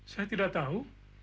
saya tidak tahu